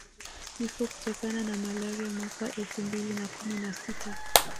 Vifo kutokana na malaria mwaka elfu mbili na kumi na sita